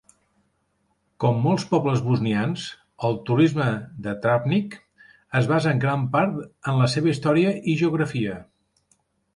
Com molts pobles bosnians, el turisme de Travnik es basa en gran part en la seva història i geografia.